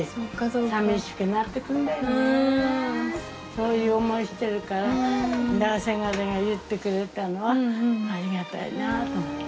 そういう思いしてるからせがれが言ってくれたのはありがたいなと思って。